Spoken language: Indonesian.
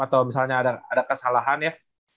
atau misalnya ada kesalahan ya